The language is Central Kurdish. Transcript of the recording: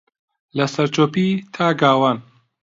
لەسەرچۆپی تا گاوان